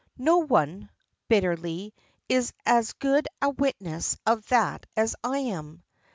No one," bitterly, "is as good a witness of that as I am."